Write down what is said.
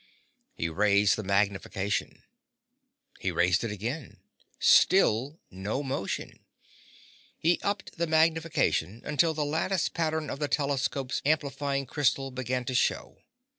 He raised the magnification. He raised it again. Still no motion. He upped the magnification until the lattice pattern of the telescope's amplifying crystal began to show.